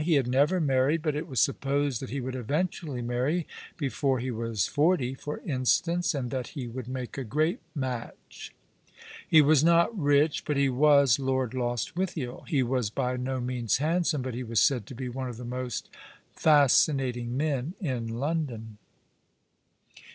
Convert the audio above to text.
He had never married; but it was Biipposod that he would eventually marry, before he was forty, for instance, and that he would make a great match, lie was not rich, but he was Lord Lostwithiel. He was by no means handsome, but he was said to be one of the most fascinatiDg men in London.